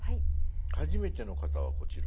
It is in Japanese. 「はじめての方はこちら」。